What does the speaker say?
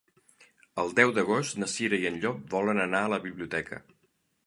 El deu d'agost na Cira i en Llop volen anar a la biblioteca.